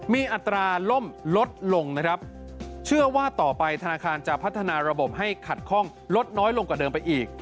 มีอัตราล่มลดลงนะครับเชื่อว่าต่อไปธนาคารจะพัฒนาระบบให้ขัดข้องลดน้อยลงกว่าเดิมไปอีก